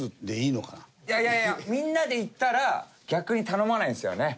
いやいやいやみんなで行ったら逆に頼まないんですよね。